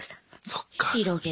そっか。